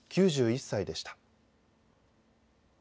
９１歳でした。